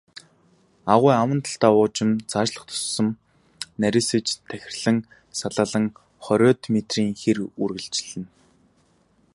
Агуй аман талдаа уужим, цаашлах тутам нарийсаж тахирлан салаалан, хориод метрийн хэр үргэлжилнэ.